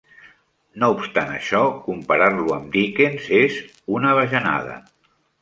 No obstant això, comparar-lo amb Dickens és... una bajanada.